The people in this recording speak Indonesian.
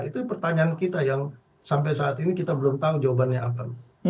itu pertanyaan kita yang sampai saat ini kita belum tahu jawabannya apa